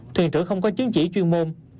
thuyền trưởng không có chứng chỉ chuyên môn